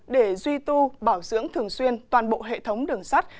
để duy tu bảo dưỡng thường xuyên toàn bộ hệ thống đường sắt